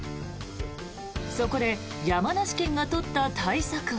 そこで、山梨県が取った対策は。